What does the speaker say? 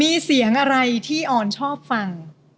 มีเสียงอะไรที่ออนชอบฟัง